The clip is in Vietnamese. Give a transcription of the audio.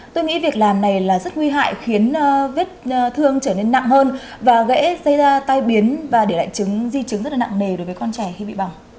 tôi nghĩ việc làm này là rất nguy hại khiến vết thương trở nên nặng hơn và dễ gây ra tai biến và để lại chứng di chứng rất là nặng nề đối với con trẻ khi bị bỏng